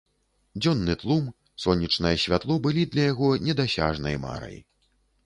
Дзённы тлум, сонечнае святло былі для яго недасяжнай марай.